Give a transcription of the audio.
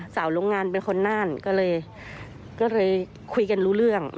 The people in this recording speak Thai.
โรงงานเป็นคนน่านก็เลยคุยกันรู้เรื่อง